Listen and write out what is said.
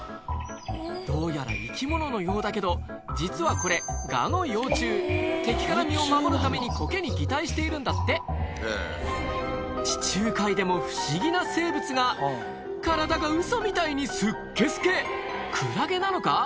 どうやら生き物のようだけど実はこれ敵から身を守るためにコケに擬態しているんだって地中海でも不思議な生物が体がウソみたいにスッケスケクラゲなのか？